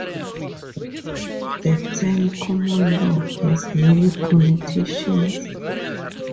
The term "common law" has many connotations.